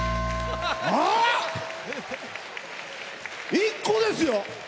１個ですよ！